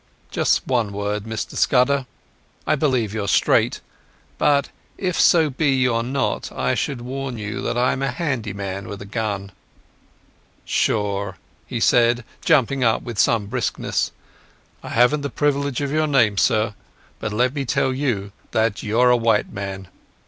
Just one word, Mr Scudder. I believe you're straight, but if so be you are not I should warn you that I'm a handy man with a gun." "Sure," he said, jumping up with some briskness. "I haven't the privilege of your name, sir, but let me tell you that you're a white man.